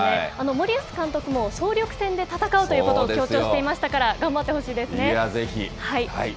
森保監督も、総力戦で戦うということを強調していましたから、頑張ってほしいいや、ぜひ。